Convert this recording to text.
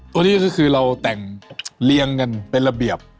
ตัวนี้ก็คือเราแต่งเรียงกันเป็นระเบียบ